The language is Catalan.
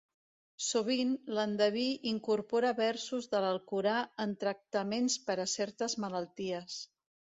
Sovint, l'endeví incorpora versos de l'Alcorà en tractaments per a certes malalties.